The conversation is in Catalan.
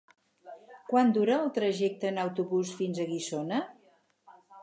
Quant dura el trajecte en autobús fins a Guissona?